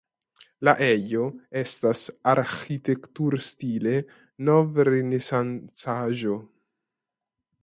La ejo estas arĥitekturstile novrenesancaĵo.